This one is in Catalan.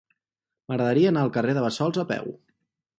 M'agradaria anar al carrer de Bassols a peu.